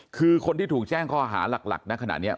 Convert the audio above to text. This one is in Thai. คือคนที่ถูกแจ้งข้อหาหลักนะขณะนี้